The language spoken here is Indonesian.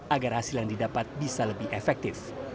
agar hasil yang didapat bisa lebih efektif